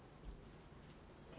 eh siapa kak